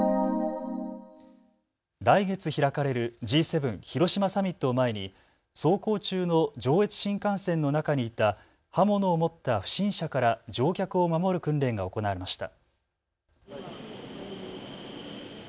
来月開かれるＧ７広島サミットを前に走行中の上越新幹線の中にいた刃物を持った不審者から乗客を守る訓練が行われました。